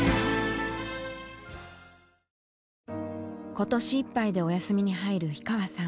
今年いっぱいでお休みに入る氷川さん。